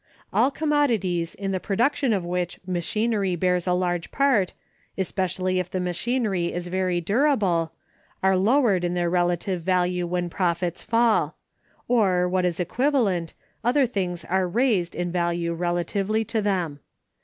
All commodities in the production of which machinery bears a large part, especially if the machinery is very durable, are lowered in their relative value when profits fall; or, what is equivalent, other things are raised in value relatively to them.